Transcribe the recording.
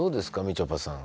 みちょぱさん。